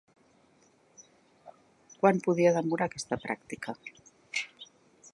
Quant podia demorar aquesta pràctica?